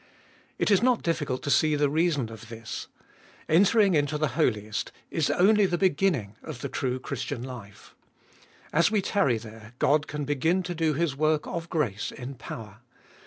It is not difficult to see the reason of this. Entering into the Holiest is only the beginning of the true Christian life. As we tarry there God can begin to do His work of grace in power.